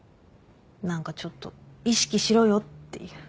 何かちょっと意識しろよっていう。